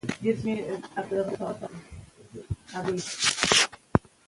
څېړنه د مغز ودې تمرکز کوي.